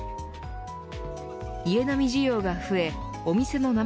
家飲み需要が増えお店の生